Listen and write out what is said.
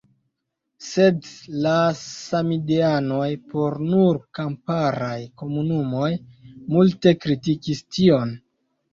Sed la samideanoj por nur kamparaj komunumoj multe kritikis tion.